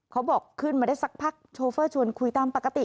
เขาบอกขึ้นมาได้สักพักโชเฟอร์ชวนคุยตามปกติ